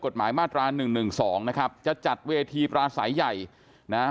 กฎหมายมาตราหนึ่งหนึ่งสองนะครับจะจัดเวทีปราศัยใหญ่นะฮะ